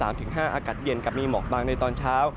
อากาศเย็นกับมีหมอกบางในตอนเช้า